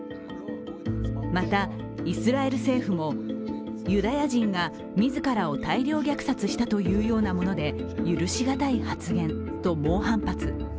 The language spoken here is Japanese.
また、イスラエル政府もユダヤ人が自らを大量虐殺したというようなもので許しがたい発言と猛反発。